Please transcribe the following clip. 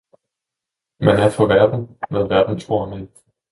Man er for verden, hvad verden tror om en!